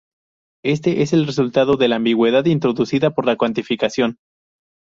Éste es el resultado de la ambigüedad introducida por la cuantificación.